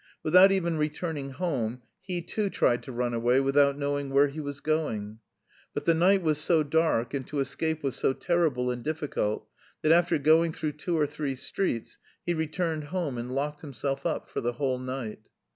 Without even returning home he too tried to run away without knowing where he was going. But the night was so dark and to escape was so terrible and difficult, that after going through two or three streets, he returned home and locked himself up for the whole night.